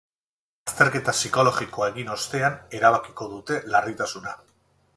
Azterketa psikologikoa egin ostean erabakiko dute larritasuna.